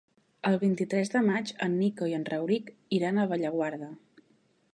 El vint-i-tres de maig en Nico i en Rauric iran a Bellaguarda.